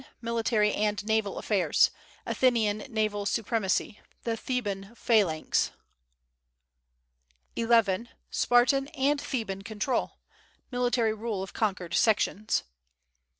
Military and naval affairs. Athenian naval supremacy. The Theban phalanx. 11. Spartan and Theban control. Military rule of conquered sections.